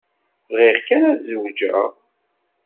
Bɣiɣ kan ad zewǧeɣ.